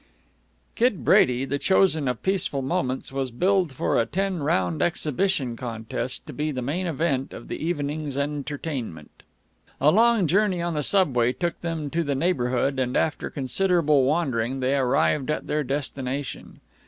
Kid Brady, the chosen of Peaceful Moments, was billed for a "ten round exhibition contest," to be the main event of the evening's entertainment. A long journey on the subway took them to the neighborhood, and after considerable wandering they arrived at their destination.